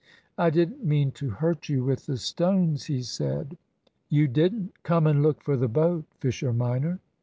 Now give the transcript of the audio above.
"I didn't mean to hurt you with the stones," he said. "You didn't. Come and look for the boat, Fisher minor."